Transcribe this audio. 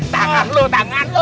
tangan lu tangan lu